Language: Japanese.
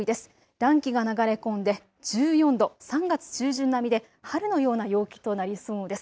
暖気が流れ込んで１４度、３月中旬並みで春のような陽気となりそうです。